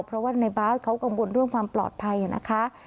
เพราะว่าในบาสเขากังวลเรื่องความปลอดภัยนะคะ